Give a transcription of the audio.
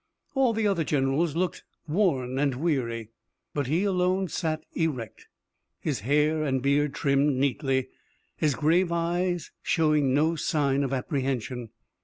All the other generals looked worn and weary, but he alone sat erect, his hair and beard trimmed neatly, his grave eye showing no sign of apprehension.